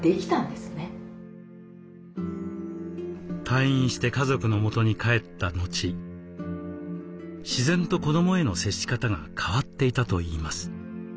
退院して家族のもとに帰った後自然と子どもへの接し方が変わっていたといいます。